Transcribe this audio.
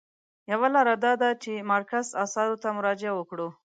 یوه لاره دا ده چې د مارکس اثارو ته مراجعه وکړو.